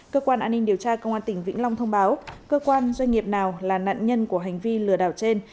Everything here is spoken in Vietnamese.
cơ quan an ninh điều tra công an tỉnh vĩnh long thông báo cơ quan doanh nghiệp nào là nạn nhân của hành vi lừa đảo trên